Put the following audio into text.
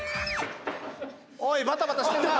おいバタバタしてんな！